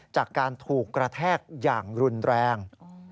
จากการถูกกระแทกอย่างรุนแรง